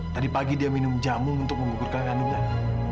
tadi pagi dia minum jamu untuk menggugurkan kandungan